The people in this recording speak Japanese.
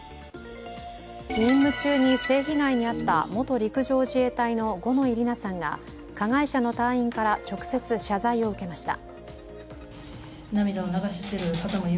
任務中に性被害に遭った元陸上自衛隊の五ノ井里奈さんが加害者の隊員から、直接謝罪を受けました。